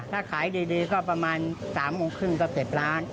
ถ้าขายดีก็ประมาณ๓โมงครึ่งก็๗ล้าน